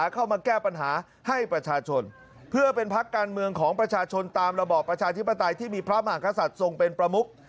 กับกรรมการบริหารพร